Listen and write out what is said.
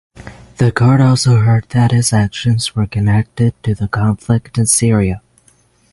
The court also heard that his actions were "connected to the conflict in Syria".